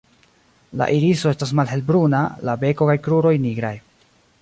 La iriso estas malhelbruna, la beko kaj kruroj nigraj.